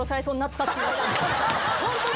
ホントに！